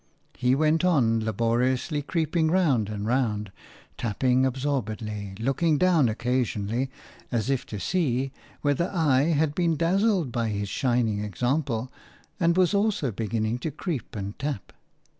He went on, laboriously creeping round and round, tapping absorbedly, looking down occasionally, as if to see whether I had been dazzled by his shining example and was also beginning to creep and tap.